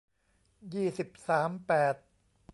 ยี่สิบสาม แปด